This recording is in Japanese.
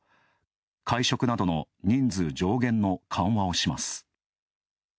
会食などの人数上限の緩和をします。